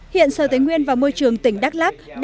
hiện sở tỉnh nguyên và môi trường tỉnh đắk lắk